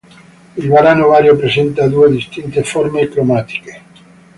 Il varano vario presenta due distinte forme cromatiche.